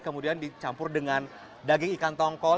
kemudian dicampur dengan daging ikan tongkol